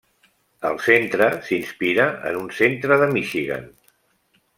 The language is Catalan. El centre s'inspira en un centre de Michigan.